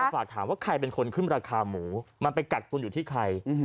ฝากถามว่าใครเป็นคนขึ้นราคาหมูมันไปกักตุนอยู่ที่ใคร